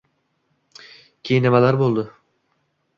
Keyin nimalar bo`ldi